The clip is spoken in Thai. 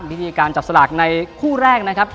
วิธีการจับสลากในคู่แรกนะครับ